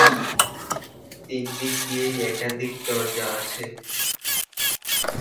তিন দিক দিয়েই একাধিক দরজা আছে।